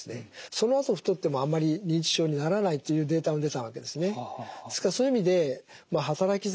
そのあと太ってもあまり認知症にならないというデータが出たわけですね。